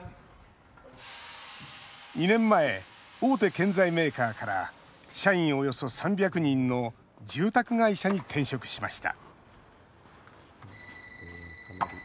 ２年前、大手建材メーカーから社員およそ３００人の住宅会社に転職しました。